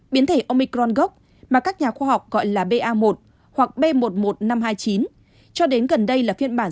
biến thể omicron gốc mà các nhà khoa học gọi là ba một hoặc b một một năm trăm hai mươi chín cho đến gần đây là phiên bản